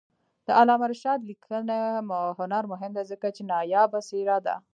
د علامه رشاد لیکنی هنر مهم دی ځکه چې نایابه څېره ده.